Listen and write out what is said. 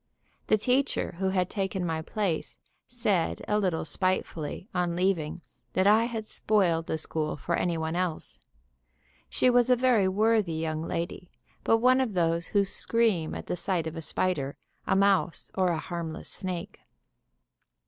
The teacher who had taken my place said a little spitefully, on leaving, that I had spoiled the school for any one else. She was a very worthy young lady, but one of those who scream at the sight of a spider, a mouse or a harmless snake.